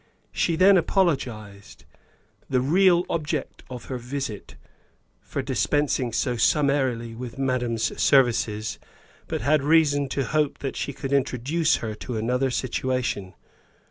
She then apologized, the real object of her visit, for dispensing so summarily with madame's services, but had reason to hope that she could introduce her to another situation.